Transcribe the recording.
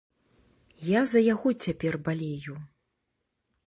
Я за яго цяпер балею.